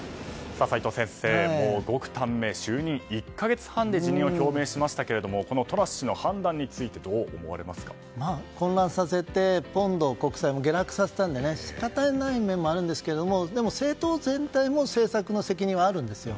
齋藤先生、短命の就任１か月半で辞任を表明しましたがトラス氏の判断について混乱させてポンド、国債も下落させたので仕方ない面もありますがでも政党全体も政策の責任はあるんですよ。